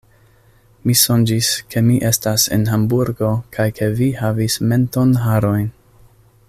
Mi sonĝis, ke mi estas en Hamburgo kaj ke vi havis mentonharojn.